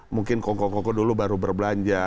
mungkin kongko kongko dulu baru berbelanja